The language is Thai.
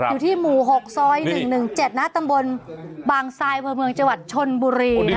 อยู่ที่หมู่๖ซอย๑๑๗นตำบลบางซายเมืองจวัดชนบุรีนะคะ